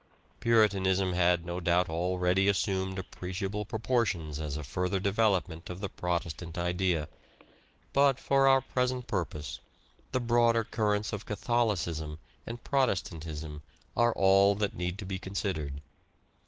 Puritanism had no doubt already assumed appreciable proportions as a further develop ment of the Protestant idea ; but, for our present purpose, the broader currents of Catholicism and Protestantism are all that need be considered.